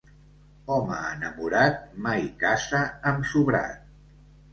Home enamorat mai casa amb sobrat.